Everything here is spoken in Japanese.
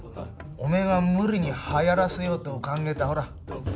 お前が無理に流行らせようと考えたほら。